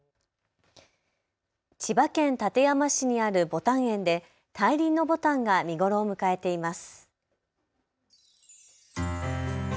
千葉県館山市にあるぼたん園で大輪のぼたんが見頃を迎えています。